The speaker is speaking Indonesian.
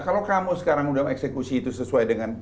kalau kamu sekarang udah eksekusi itu sesuai dengan